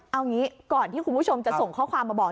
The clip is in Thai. เอางี้ก่อนที่คุณผู้ชมจะส่งข้อความมาบอก